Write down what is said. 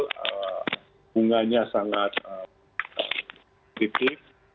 dua pengungannya sangat positif